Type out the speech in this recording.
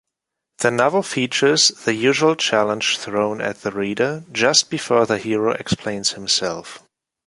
The novel features the usual challenge thrown at the reader, just before the hero explains himself.